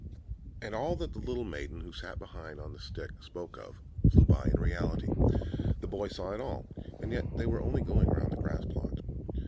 And all that the little maiden, who sat behind on the stick, spoke of, flew by in reality. The boy saw it all, and yet they were only going round the grass plot.